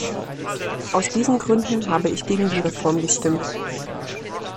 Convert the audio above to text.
Aus diesen Gründen habe ich gegen die Reform gestimmt.